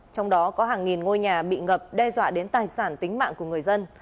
trong đó có hàng nghìn ngôi nhà bị ngập đe dọa đến tài sản tính mạng của người dân